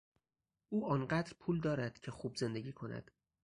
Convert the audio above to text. او آن قدر پول دارد که خوب زندگی کند.